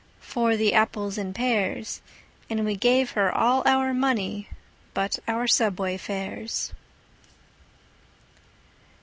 for the apples and pears, And we gave her all our money but our subway fares.